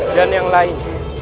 dan yang lain